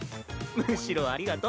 むしろありがと。